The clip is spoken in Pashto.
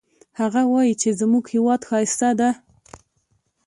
هغه وایي چې زموږ هیواد ښایسته ده